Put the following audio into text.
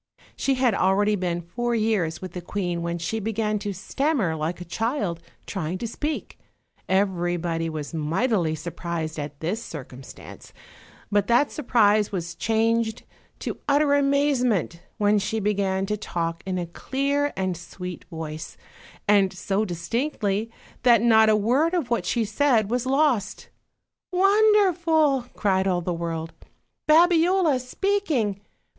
She had already been four years with the queen when she began to stammer like a child trying to speak; everybody was mightily surprised at this circumstance, but that surprise was changed to utter amazement when she began to talk in a clear and sweet voice, and so dis tinctly that not a word of what she said was lost. "Won derful!" cried all the world; "Babiola speaking!